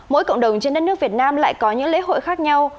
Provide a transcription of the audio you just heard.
mỗi cộng đồng trên đất nước việt nam lại có những lễ hội khác nhau